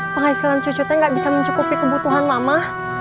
penghasilan cucu tuh gak bisa mencukupi kebutuhan mama